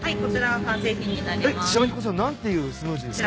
ちなみにこちら何ていうスムージーですか？